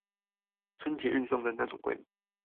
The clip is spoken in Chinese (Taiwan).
春節運送的那種規模